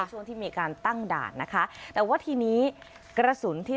ช่วงที่มีการตั้งด่านนะคะแต่ว่าทีนี้กระสุนที่